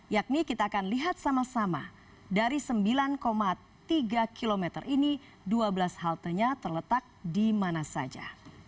yakni kita akan lihat sama sama dari sembilan tiga km ini dua belas haltenya terletak di mana saja